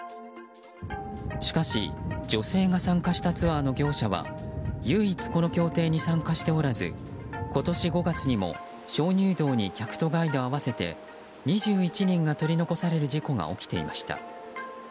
しかし女性が参加したツアーの業者は唯一、この協定に参加しておらず今年５月にも、鍾乳洞に客とガイドの合わせて２１人が取り残される事故が起きていました。